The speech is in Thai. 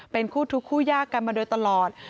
เป็นคู่ทุกคู่ยากกันมาโดยตลอด